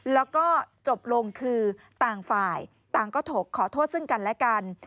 แล้วก็จบลงคือต่างฝ่ายต่างก็ถกขอโทษซึ่งกันและกัน